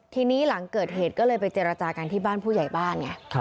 ทีนี้หลังเกิดเหตุก็เลยไปเจรจากันที่บ้านผู้ใหญ่บ้านไง